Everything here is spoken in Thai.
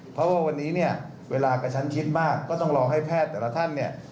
เพราะว่าวันนี้เนี่ยเวลากระชั้นชิดมากก็ต้องรอให้แพทย์แต่ละท่านเนี่ย